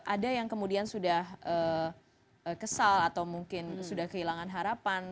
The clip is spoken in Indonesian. ada yang kemudian sudah kesal atau mungkin sudah kehilangan harapan